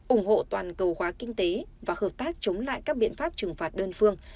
ủng hộ toàn cầu hóa kinh tế và hợp tác chống lại các biện pháp trừng phạt đơn phương